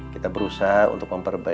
kita berusaha untuk memperbaikinya